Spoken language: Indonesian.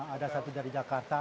ada satu dari jakarta